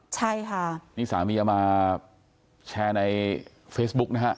ใช่ค่ะนี่สามีเอามาแชร์ในเฟซบุ๊กนะฮะ